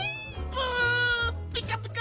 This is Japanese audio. プピカピカ